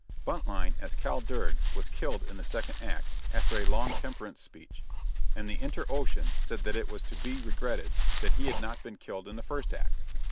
Buntline, as "Cale Durg," was killed in the second act, after a long temperance speech; and the Inter Ocean said that it was to be regretted that he had not been killed in the first act.